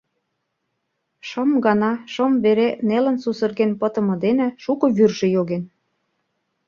Шым гана шым вере нелын сусырген пытыме дене шуко вӱржӧ йоген.